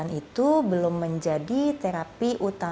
oke memang kalau terapi terapi tadi yang seperti disebutnya